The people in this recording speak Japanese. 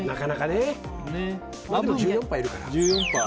でも１４％いるから。